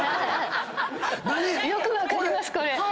よく分かりますこれ。